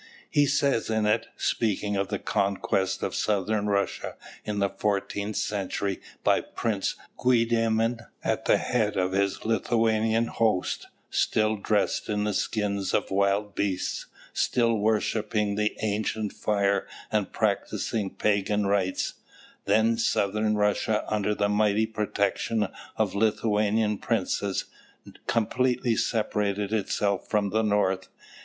He says in it, speaking of the conquest of Southern Russia in the fourteenth century by Prince Guedimin at the head of his Lithuanian host, still dressed in the skins of wild beasts, still worshipping the ancient fire and practising pagan rites: "Then Southern Russia, under the mighty protection of Lithuanian princes, completely separated itself from the North.